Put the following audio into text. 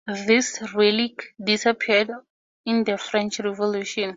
This relic disappeared in the French Revolution.